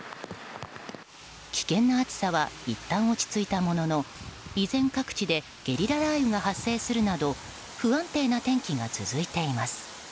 危険な暑さはいったん落ち着いたものの依然、各地でゲリラ雷雨が発生するなど不安定な天気が続いています。